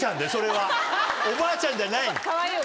おばあちゃんじゃないよ。